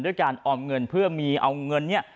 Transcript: ด้วยการออมเงินเพื่อมีเอาเงินเนี่ย